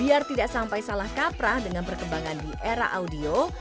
biar tidak sampai salah kaprah dengan perkembangan di era audio